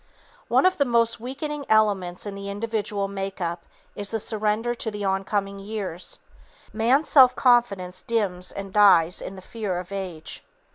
One of the most weakening elements in the individual make up is the surrender to the oncoming of years. Man's self confidence dims and dies in the fear of age.